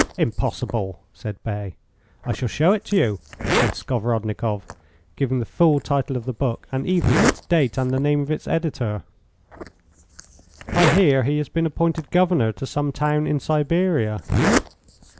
"Impossible!" said Bay. "I shall show it you," said Skovorodnikoff, giving the full title of the book, and even its date and the name of its editor. "I hear he has been appointed governor to some town in Siberia."